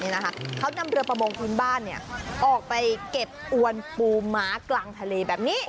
เนี้ยนะคะเขานำเรือประมงพื้นบ้านเนี้ยออกไปเก็บอวนปูมากกลางทะเลแบบนี่